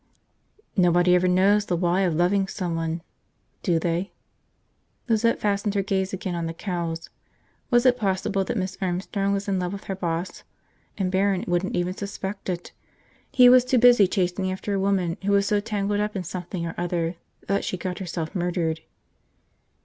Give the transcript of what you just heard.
"Nobody ever knows the why of loving someone, do they?" Lizette fastened her gaze again on the cows. Was it possible that Miss Armstrong was in love with her boss? And Barron wouldn't even suspect it. He was too busy chasing after a woman who was so tangled up in something or other that she'd got herself murdered.